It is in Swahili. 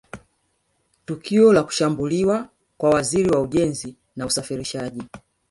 Tukio la kushambuliwa kwa Waziri wa Ujenzi na Usafirishaji